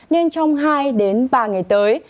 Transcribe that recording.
nên trong hai đến ba ngày tới